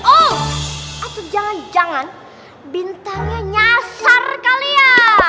oh aku jangan jangan bintangnya nyasar kali ya